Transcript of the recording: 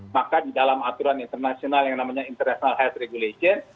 maka di dalam aturan internasional yang namanya international health regulation